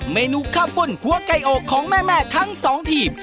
เมนูข้าวปุ้นหัวไก่อกของแม่ทั้งสองทีม